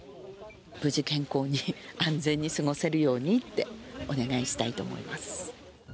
無事、健康に、安全に過ごせるようにってお願いしたいと思います。